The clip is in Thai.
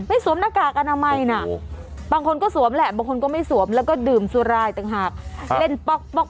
ไม่สวมหน้ากากอนามัยบางคนก็สวมแหละบางคนก็ไม่สวมแล้วก็ดื่มสุรายตึงหาก